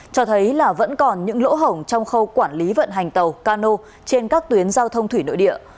cho thấy là vẫn còn những lỗ hổng trong khâu quản lý vận hành tàu cano trên các tuyến giao thông thủy nội địa